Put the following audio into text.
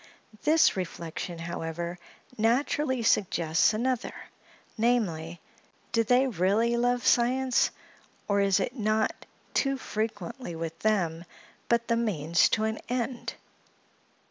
This reflection, however, naturally suggests another, namely, do they really love science, or is it not too frequently with them but the means to an end?